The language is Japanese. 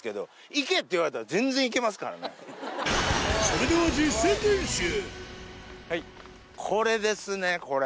それではこれですねこれ！